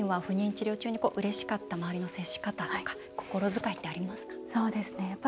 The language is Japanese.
ご自身はうれしかった周りの接し方とか心遣いってありますか？